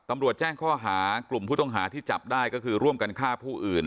ตำรวจแจ้งข้อหากลุ่มผู้ต้องหาที่จับได้ก็คือร่วมกันฆ่าผู้อื่น